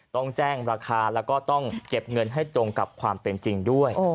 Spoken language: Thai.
ต้องแจ้งราคาแล้วก็ต้องเก็บเงินให้ตรงกับความเป็นจริงด้วย